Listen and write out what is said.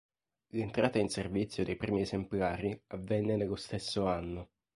L'entrata in servizio dei primi esemplari avvenne nello stesso anno.